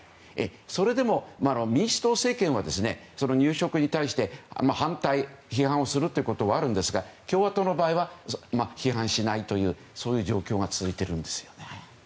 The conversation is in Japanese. それでも、民主党政権は入植に対して反対、批判をすることはあるんですが共和党の場合は批判しないというそういう状況が続いているんですよね。